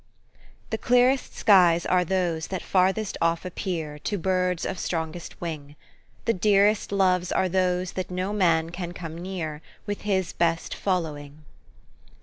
The clearest skies are those That farthest off appear To birds of strongest wing. The dearest loves are those That no man can come near With his best following."